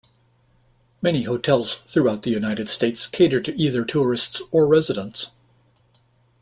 Many hotels throughout the United States cater to either tourists or residents.